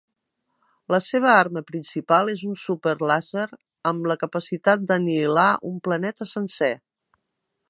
La seva arma principal és un súper làser amb la capacitat d'anihilar un planeta sencer.